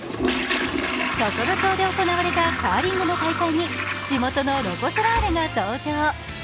常呂町で行われたカーリングの大会に地元のロコ・ソラーレが登場。